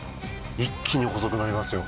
一気に細くなりますよ